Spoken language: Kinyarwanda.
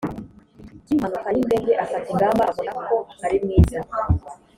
ry impanuka y indege afata ingamba abona ko ari mwiza